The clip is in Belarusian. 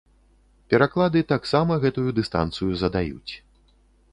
Пераклады таксама гэтую дыстанцыю задаюць.